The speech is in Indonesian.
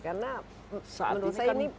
karena menurut saya ini penting sekali